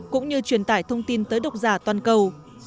cũng như truyền tải thông tin tới độc giả toàn cầu